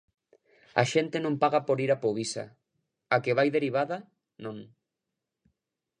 A xente non paga por ir a Povisa; a que vai derivada, non.